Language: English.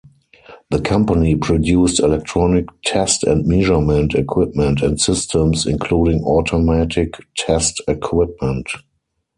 The company produced electronic test and measurement equipment and systems, including automatic test equipment.